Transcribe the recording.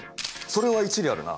それは一理あるな。